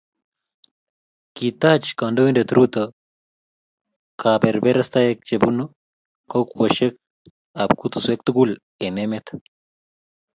Kitach kandoindet Ruto kabeberstaek che bunu kokwecheshek ab kutuswek tukul ab emet